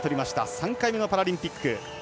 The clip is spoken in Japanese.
３回目のパラリンピック。